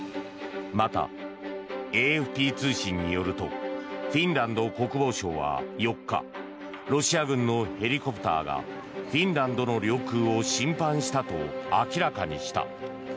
また、ＡＦＰ通信によるとフィンランド国防省は４日ロシア軍のヘリコプターがフィンランドの領空を侵犯したと明らかにした。